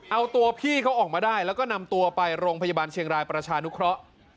เอาตัวพี่เขาออกมาได้แล้วก็นำตัวไปโรงพยาบาลเชียงรายประชานุเคราะห์